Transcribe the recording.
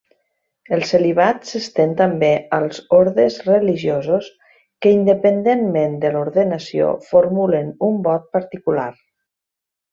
El celibat s'estén també als ordes religiosos que independentment de l'ordenació formulen un vot particular.